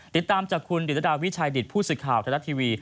ติดตามจากคุณดิตดาวิชัยดิตผู้สิทธิ์ข่าวธรรมดาทีวี